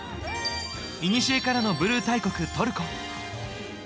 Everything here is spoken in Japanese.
いにしえからのブルー大国トルコ。